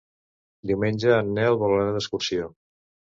Diumenge en Nel vol anar d'excursió.